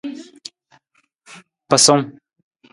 Pasung.